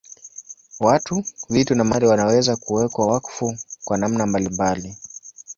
Watu, vitu na mahali wanaweza kuwekwa wakfu kwa namna mbalimbali.